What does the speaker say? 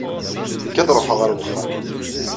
Nekk ad ruḥeɣ ɣer uxxam.